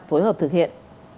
phối hợp thực hiện